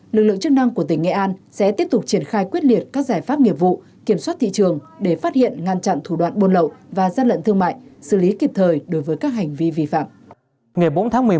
lực lượng chức năng của tỉnh nghệ an sẽ tiếp tục triển khai quyết liệt các giải pháp nghiệp vụ kiểm soát thị trường để phát hiện ngăn chặn thủ đoạn buôn lậu và gian lận thương mại xử lý kịp thời đối với các hành vi vi phạm